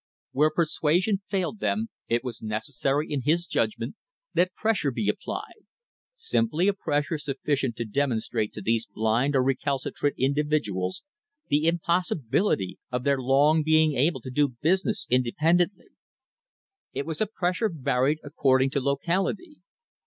Where persuasion failed then, it was necessary, in his judgment, that pressure be applied — simply a pressure sufficient to demonstrate to these blind or recalcitrant individ uals the impossibility of their long being able to do business independently. It was a pressure varied according to locality.